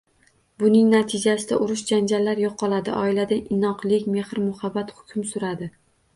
Buning natijasida urush–janjallar yo‘qoladi, oilada inoqlik, mehr-muhabbat hukm suradi